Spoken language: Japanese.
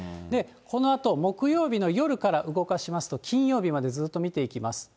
このあと木曜日の夜から動かしますと、金曜日までずっと見ていきます。